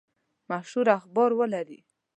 مشهور اخبار ولري.